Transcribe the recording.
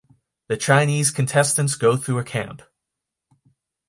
The Chinese contestants go through a camp.